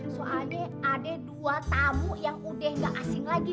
soalnya ada dua tamu yang udah gak asing lagi